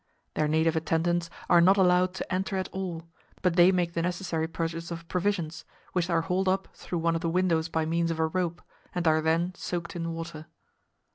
Their native attendants are not allowed to enter at all, but they make the necessary purchases of provisions, which are hauled up through one of the windows by means of a rope, and are then soaked in water.